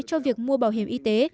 cho việc mua bảo hiểm y tế